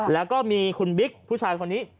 แล้วก็มีคุณบิ๊กผู้ชายคนนี้